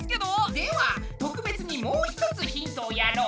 では特別にもう一つヒントをやろう。